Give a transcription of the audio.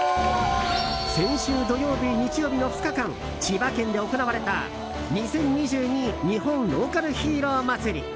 先週土曜日、日曜日の２日間千葉県で行われた２０２２日本ローカルヒーロー祭。